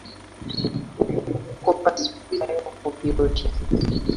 Okukoppa sikubi naye okopye otya?